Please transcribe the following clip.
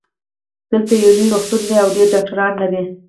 دلته یو لوی روغتون ده او ډېر ډاکټران لری